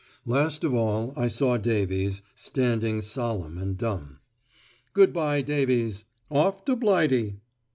Last of all I saw Davies, standing solemn and dumb. "Good bye, Davies. Off to Blighty."